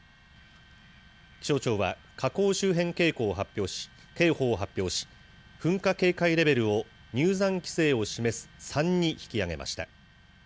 気象庁は、火口周辺警報を発表し、噴火警戒レベルを入山規制を示す３に引き上げました。